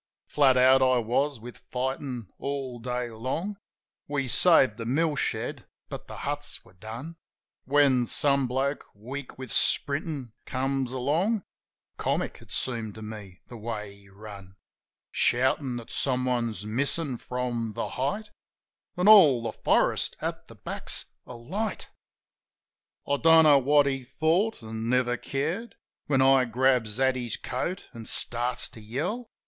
Flat out I was with fightin' all day long — (We saved the mill shed, but the huts were done) When some bloke, weak with sprintin', comes along (Comic, it seemed to me, the way he run) — Shoutin' that someone's missin' from "The Height," An' all the forest at the back's alight. I don't know what he thought, an' never cared. When I grabs at his coat, an' starts to yell.